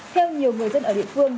theo nhiều người dân ở địa phương